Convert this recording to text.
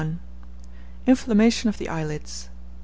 INFLAMMATION OF THE EYELIDS.